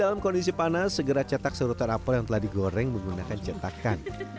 dalam kondisi panas segera cetak serutan apel yang telah digoreng menggunakan cetakan